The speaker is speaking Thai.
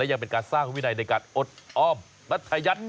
ยังเป็นการสร้างวินัยในการอดอ้อมมัธยัตน์